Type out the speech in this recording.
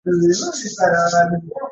حتی عصري شرکتونه د افسانو پر بنسټ ولاړ دي.